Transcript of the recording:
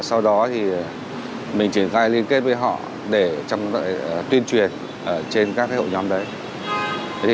sau đó thì mình triển khai liên kết với họ để trong tuyên truyền trên các hội nhóm đấy